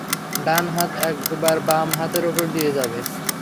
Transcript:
ডান হাত একবার বাম হাতের ওপর দিয়ে যাবে।